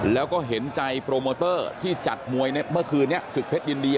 แล้วก็เห็นใจโปรโมเตอร์ที่จัดมวยเมื่อคืนนี้ศึกเพชรยินดี